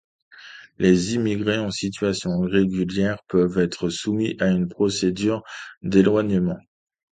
Les immigrés en situation irrégulière peuvent être soumis à une procédure d'éloignement.